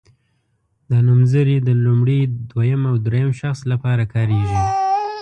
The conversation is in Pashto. دا نومځري د لومړي دویم او دریم شخص لپاره کاریږي.